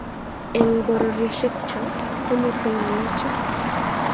Eng pororiosiekcho komitei ngalechu